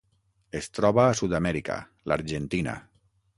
Es troba a Sud-amèrica: l'Argentina.